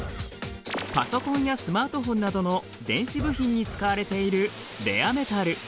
パソコンやスマートフォンなどの電子部品に使われているレアメタル。